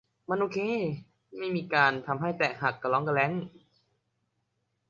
มันโอเค ไม่มีการทำให้แตกหักกะร่องกะแร่ง